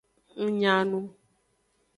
Ng nya nu.